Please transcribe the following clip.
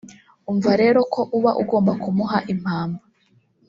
urumva rero ko uba ugomba kumuha impamba”